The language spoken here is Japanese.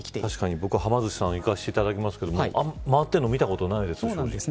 僕、はま寿司さん行かせていただきますけど回ってるの、見たことないです正直。